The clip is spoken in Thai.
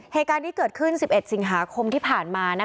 เหตุการณ์นี้เกิดขึ้น๑๑สิงหาคมที่ผ่านมา